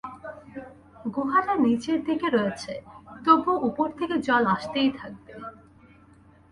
গুহাটা নিচের দিকে রয়েছে, তবুও উপর থেকে জল আসতেই থাকবে।